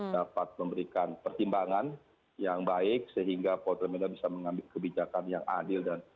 dapat memberikan pertimbangan yang baik sehingga polda metro bisa mengambil kebijakan yang adil dan